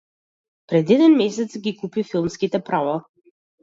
Пред еден месец ги купи филмските права